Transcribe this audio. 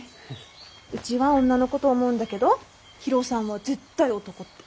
うちは女の子と思うんだけど博夫さんは絶対男って。